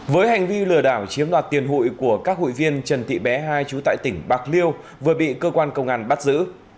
với hành vi lừa đảo chiếm đoạt tiền hụi của các hụi viên trần thị bé hai chú tại tỉnh bạc liêu vừa bị cơ quan công an bắt giữ